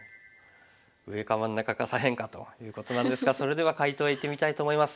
上か真ん中か左辺かということなんですがそれでは解答へいってみたいと思います。